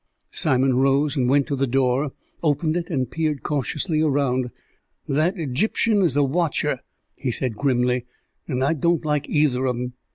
Simon rose and went to the door, opened it, and peered cautiously around. "That Egyptian is a watcher," he said grimly, "and I don't like either of 'em."